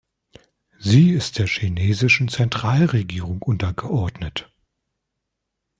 Sie ist der chinesischen Zentralregierung untergeordnet.